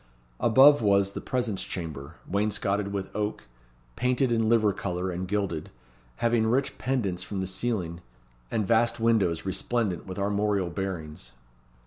Above was the presence chamber, wainscotted with oak, painted in liver colour and gilded, having rich pendents from the ceiling, and vast windows resplendent with armorial bearings.